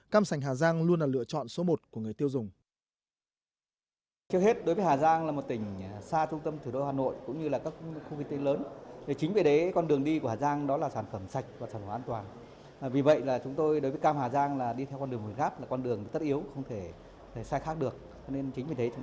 cam sành hà giang luôn là lựa chọn số một của người tiêu dùng